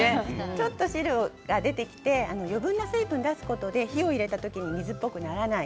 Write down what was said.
ちょっと汁が出てきて余分な水分を出すことで火を入れた時に水っぽくならない。